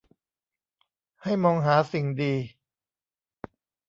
ให้มองหาสิ่งดี